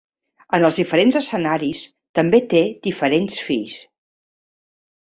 En els diferents escenaris, també té diferents fills.